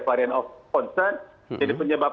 varian of concern jadi penyebab